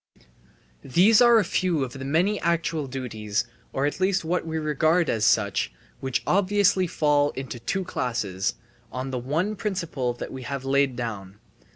These are a few of the many actual duties, or at least what we regard as such, which obviously fall into two classes on the one principle that we have laid down.